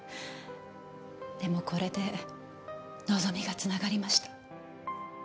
でもこれで望みが繋がりました。